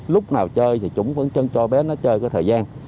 lúc nào chơi thì chúng vẫn chân cho bé nó chơi cái thời gian